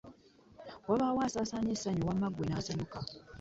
Wabaawo asaasaanya essanyu wama gwe nasuka!